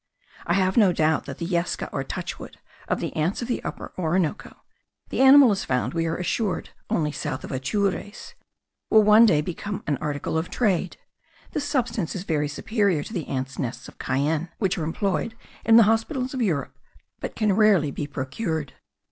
I have no doubt that the yesca or touchwood of ants of the Upper Orinoco (the animal is found, we were assured, only south of Atures) will one day become an article of trade. This substance is very superior to the ants' nests of Cayenne, which are employed in the hospitals of Europe, but can rarely be procured.